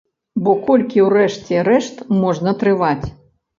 Бо колькі ў рэшце рэшт можна трываць?